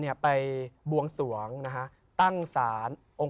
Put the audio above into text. พระพุทธพิบูรณ์ท่านาภิรม